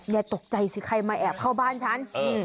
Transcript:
อย่าตกใจสิใครมาแอบเข้าบ้านฉัน